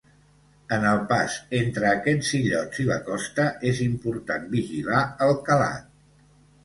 En el pas entre aquests illots i la costa és important vigilar el calat.